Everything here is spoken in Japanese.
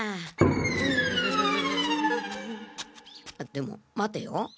でも待てよ。